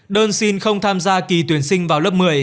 đơn xin không tham gia kỳ tuyển sinh vào lớp một mươi